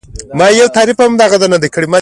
هر هېواد د یوې مشخصې مودې وروسته ارزونه کوي